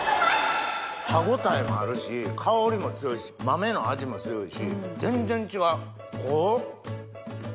歯応えもあるし香りも強いし豆の味も強いし全然違う。